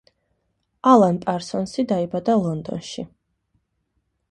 ალან პარსონსი დაიბადა ლონდონში.